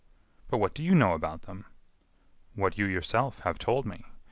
"But what do you know about them?" "What you yourself have told me.